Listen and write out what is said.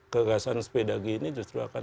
kegagasan sepeda g ini justru akan